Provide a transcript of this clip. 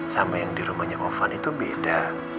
sama yang di rumahnya ovan itu beda